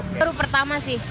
ini baru pertama sih